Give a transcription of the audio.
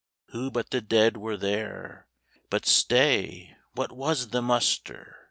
(Who but the dead were there?) But stay, what was the muster?